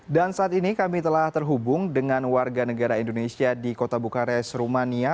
dan saat ini kami telah terhubung dengan warga negara indonesia di kota bukares rumania